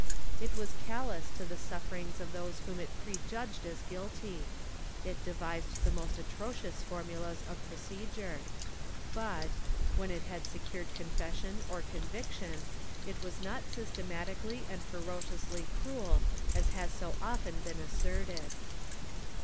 It was callous to the sufferings of those whom it prejudged as guilty; it devised the most atrocious for mulas of procedure; but, when it had secured confession or convic tion, it was not systematically and ferociously cruel as has so often been asserted.